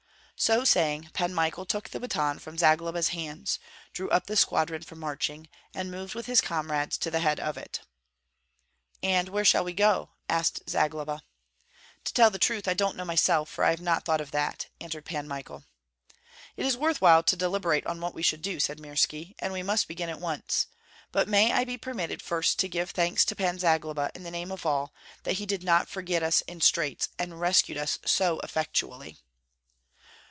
So saying, Pan Michael took the baton from Zagloba's hands, drew up the squadron for marching, and moved with his comrades to the head of it. "And where shall we go?" asked Zagloba. "To tell the truth, I don't know myself, for I have not thought of that," answered Pan Michael. "It is worth while to deliberate on what we should do," said Mirski, "and we must begin at once. But may I be permitted first to give thanks to Pan Zagloba in the name of all, that he did not forget us in straits and rescued us so effectually?"